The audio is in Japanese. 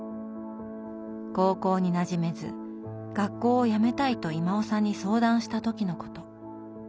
高校になじめず学校をやめたいと威馬雄さんに相談した時のこと。